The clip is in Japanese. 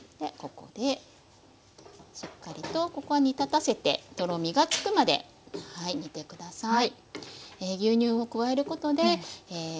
ここでしっかりとここは煮立たせてとろみがつくまで煮て下さい。